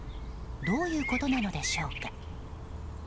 どういうことなのでしょうか。